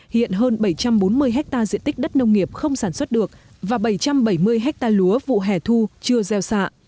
hiện hơn bảy trăm bốn mươi hectare diện tích đất nông nghiệp không sản xuất được và bảy trăm bảy mươi ha lúa vụ hẻ thu chưa gieo xạ